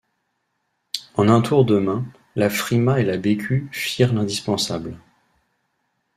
En un tour de main, la Frimat et la Bécu firent l’indispensable.